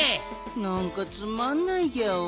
なんかつまんないギャオ。